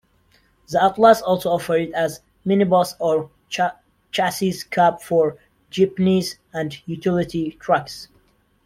The Atlas also offered as minibus or chassis cab for jeepneys and utility trucks.